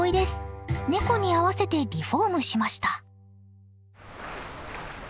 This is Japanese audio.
ネコに合わせてリフォームしました。